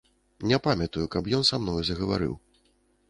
Не памятаю, каб ён са мною загаварыў.